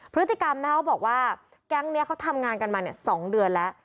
พฤติกรรมแม้วบอกว่าแก๊งก์เนี้ยเขาทำงานกันมาเนี้ยสองเดือนแล้ว